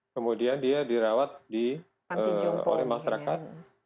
kemudian dia dirawat oleh masyarakat